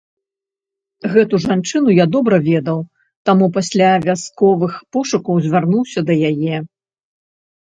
Гэту жанчыну я добра ведаў, таму пасля вясковых пошукаў звярнуўся да яе.